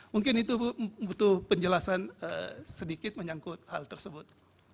mungkin itu butuh penjelasan sedikit menyangkut hal tersebut